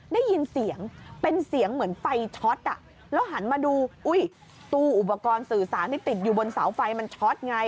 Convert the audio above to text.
ได้ยินเสียงเป็นเสียงเหมือนไฟช็อตแล้วหันมาดูอุ้ยตู้อุปกรณ์สื่อสารที่ติดอยู่บนเสาไฟมันช็อตไง